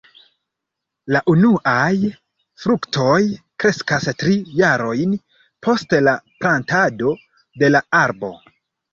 La unuaj fruktoj kreskas tri jarojn post la plantado de la arbo.